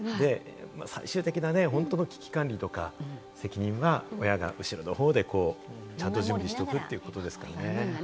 最終的な本当の危機管理とか責任は親が後ろの方でちゃんと準備しておくってことですよね。